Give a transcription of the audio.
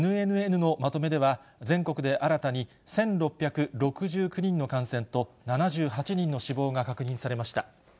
全国で新たに１６６９人の感染と７８人の死亡が確認されました。